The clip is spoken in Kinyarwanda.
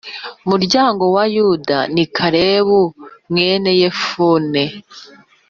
Muryango wa yuda ni kalebu mwene yefune